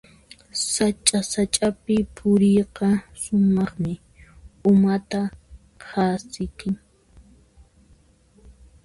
Sacha-sachapi puriyqa sumaqmi, umata qasichin.